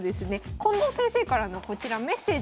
近藤先生からのこちらメッセージもございます。